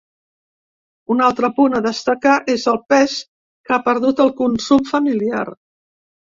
Un altre punt a destacar és el pes que ha perdut el consum familiar.